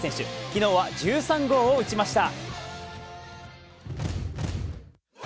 昨日は１３号を打ちました。